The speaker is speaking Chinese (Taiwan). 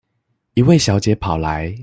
一位小姐跑來